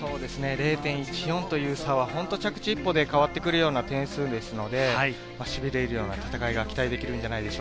０．１４という差は着地一歩で変わってくる点差ですので、しびれるような戦いが期待できます。